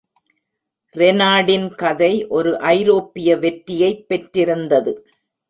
ரெனாடின் கதை ஒரு ஐரோப்பிய வெற்றியைப் பெற்றிருந்தது.